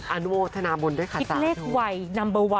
อันโมธนาบุญด้วยค่ะสาม